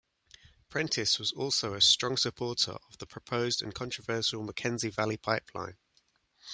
Prentice was also a strong supporter of the proposed and controversial Mackenzie Valley pipeline.